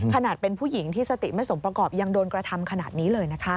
ขนาดเป็นผู้หญิงที่สติไม่สมประกอบยังโดนกระทำขนาดนี้เลยนะคะ